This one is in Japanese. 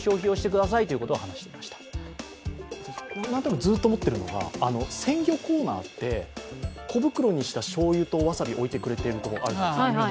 ずっと思っているのが鮮魚コーナーって、小袋にしたしょうゆとわさび、置いてくれてる所あるじゃないですか。